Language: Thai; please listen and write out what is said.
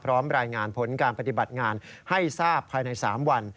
รายงานผลการปฏิบัติงานให้ทราบภายใน๓วัน